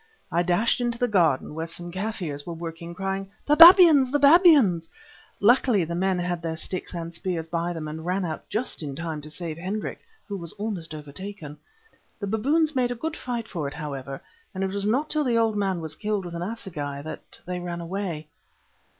I dashed into the garden, where some Kaffirs were working, crying, 'The babyans! the babyans!' Luckily the men had their sticks and spears by them and ran out just in time to save Hendrik, who was almost overtaken. The baboons made a good fight for it, however, and it was not till the old man was killed with an assegai that they ran away.